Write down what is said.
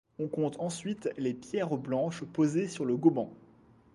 On compte ensuite les pierres blanches posées sur le goban.